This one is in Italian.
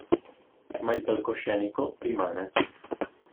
Ma il palcoscenico rimane.